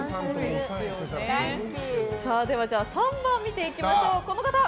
３番見ていきましょう。